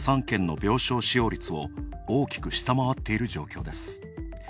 ３県の病床使用率を大きく下回っている状況です。